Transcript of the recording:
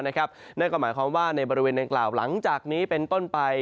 นั่นก็หมายความว่าในบริเวณดังกล่าวหลังจากนี้เป็นต้นไป